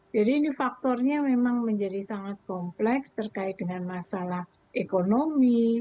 jadi ini faktornya memang menjadi sangat kompleks terkait dengan masalah ekonomi